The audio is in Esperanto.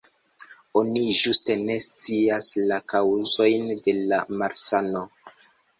Oni ĝuste ne scias la kaŭzojn de la malsano.